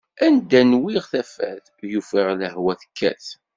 Anda nwiɣ tafat, i ufiɣ lehwa tekkat.